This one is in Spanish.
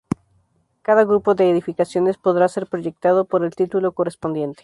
Cada grupo de edificaciones podrá ser proyectado por el titulado correspondiente.